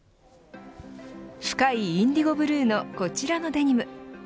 深いインディゴブルーのこちらのデニム。